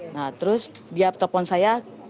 nah terus dia telepon saya